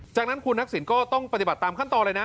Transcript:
จากนั้นคุณทักษิณก็ต้องปฏิบัติตามขั้นตอนเลยนะ